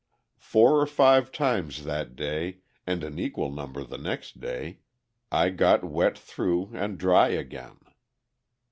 Four or five times that day and an equal number the next day, I got wet through and dry again.